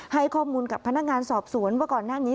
ให้ข้อมูลกับพนักงานสอบสวนว่าก่อนหน้านี้